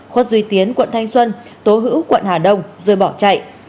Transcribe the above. khuất duy tiến quận thanh xuân tố hữu quận hà đông rồi bỏ chạy